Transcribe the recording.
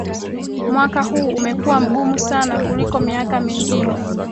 Mwaka huu umekuwa mgumu sana kuliko miaka mingine